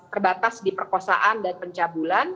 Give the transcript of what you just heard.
terbatas di perkosaan dan pencabulan